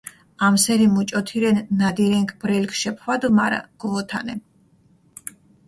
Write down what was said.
ამსერი მუჭოთირენ ნადირენქ ბრელქ შეფხვადჷ, მარა გუვოთანე.